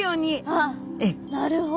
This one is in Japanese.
ああなるほど。